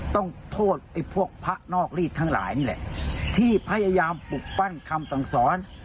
ต้องโทษไอ้พวกพระนอกรีดทั้งหลายนี่แหละที่พยายามปลุกปั้นคำสั่งสอน